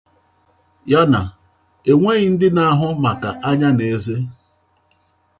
ya na enweghị ndị na-ahụ maka anya na eze